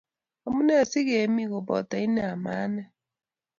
Amune si kemii ko poto ine ama ane